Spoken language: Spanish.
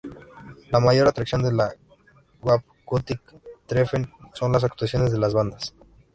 La mayor atracción de la Wave-Gotik-Treffen son las actuaciones de las bandas.